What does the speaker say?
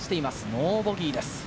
ノーボギーです。